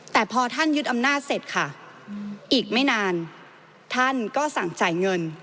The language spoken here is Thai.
แต่พอท่านยึดอำนาจเสร็จค่ะอีกไม่นานท่านก็สั่งจ่ายเงิน